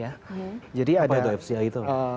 apa itu fci itu